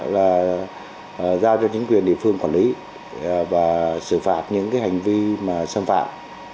là giao cho chính quyền địa phương quản lý và xử phạt những cái hành vi mà xâm phạm